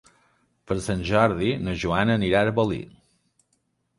Per Sant Jordi na Joana anirà a Arbolí.